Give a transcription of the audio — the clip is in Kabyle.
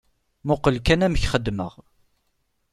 Muqel kan amek xeddmeɣ.